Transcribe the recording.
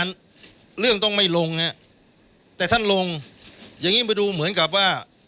เรื่องต้องไม่ลงฮะแต่ท่านลงอย่างงี้ไปดูเหมือนกับว่า